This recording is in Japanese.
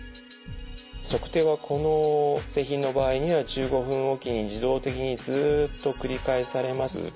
測定はこの製品の場合には１５分おきに自動的にずっと繰り返されます。